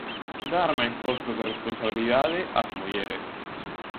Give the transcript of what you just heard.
Dar máis postos de responsabilidade ás mulleres.